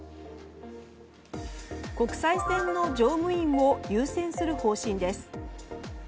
国際線の乗務員を優先する方針です。